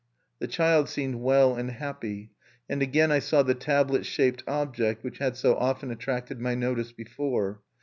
The child seemed well and happy; and I again saw the tablet shaped object which had so often attracted my notice before.